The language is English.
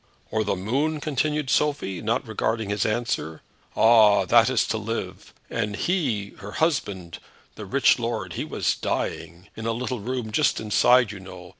"Or the moon?" continued Sophie, not regarding his answer. "Ah; that is to live! And he, her husband, the rich lord, he was dying, in a little room just inside, you know.